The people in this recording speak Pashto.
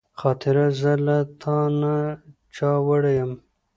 خاطره زه له تا نه چا وړې يم